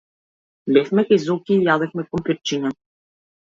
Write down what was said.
Бевме кај Зоки и јадевме компирчиња.